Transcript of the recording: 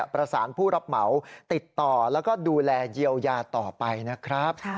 ประสานผู้รับเหมาติดต่อแล้วก็ดูแลเยียวยาต่อไปนะครับ